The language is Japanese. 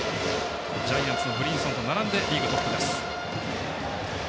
ジャイアンツのブリンソンと並んでリーグトップです。